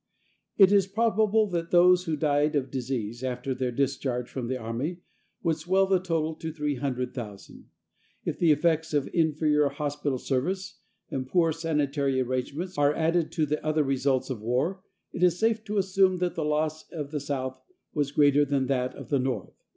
It is probable that those who died of disease after their discharge from the army would swell the total to 300,000. If the effects of inferior hospital service and poor sanitary arrangements are added to the other results of war, it is safe to assume that the loss of the South was greater than that of the North.